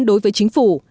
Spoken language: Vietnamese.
đối với chính phủ